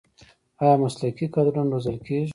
آیا مسلکي کادرونه روزل کیږي؟